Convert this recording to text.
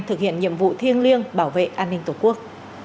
thực hiện nhiệm vụ thiêng liêng bảo vệ an ninh tổ quốc